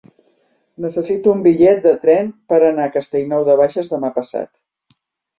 Necessito un bitllet de tren per anar a Castellnou de Bages demà passat.